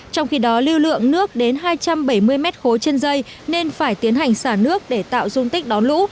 trong khi đó lưu lượng nước đến hai trăm bảy mươi m ba trên dây nên phải tiến hành xả nước để tạo dung tích đón lũ